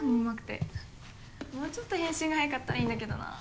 もうちょっと返信が早かったらいいんだけどなぁ。